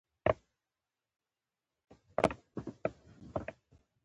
او د ژوند د ښه کولو لپاره دی.